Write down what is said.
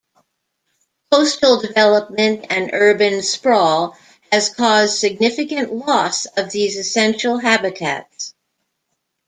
Coastal development and urban sprawl has caused significant loss of these essential habitats.